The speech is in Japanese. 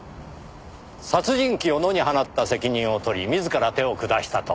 殺人鬼を野に放った責任を取り自ら手を下したと。